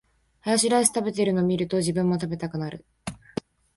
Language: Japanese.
ハヤシライス食べてるの見ると、自分も食べたくなる